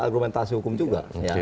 argumentasi hukum juga